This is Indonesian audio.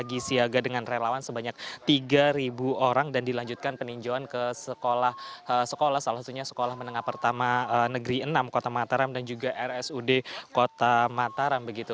lagi siaga dengan relawan sebanyak tiga orang dan dilanjutkan peninjauan ke sekolah sekolah salah satunya sekolah menengah pertama negeri enam kota mataram dan juga rsud kota mataram begitu